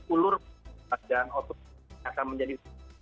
ulur pada ototnya akan menjadi